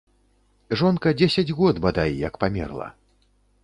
Жонка дзесяць год, бадай, як памерла.